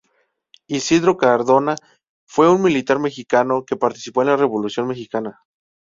Isidro Cardona fue un militar mexicano que participó en la Revolución mexicana.